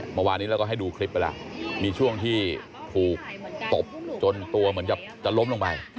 เมื่อวานนี้เราก็ให้ดูคลิปไปแล้วมีช่วงที่ถูกตบจนตัวเหมือนกับจะล้มลงไป